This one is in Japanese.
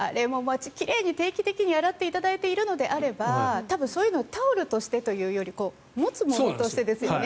定期的に洗っていただいているのであれば多分タオルとしてというより持つものとしてということですよね。